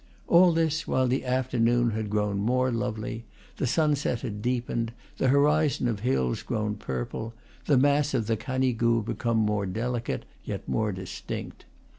All this while the after noon had grown more lovely; the sunset had deepened, the horizon of hills grown purple; the mass of the Canigou became more delicate, yet more distinct.